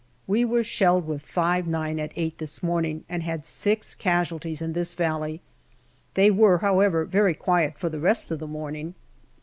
We were shelled with the 5*9 at eight this morning, and had about six casualties in this valley. They were, however, very quiet for the rest of the morning.